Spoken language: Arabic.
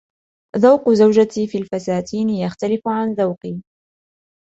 ذوق زوجتي في الفساتين يختلف عن ذوقي.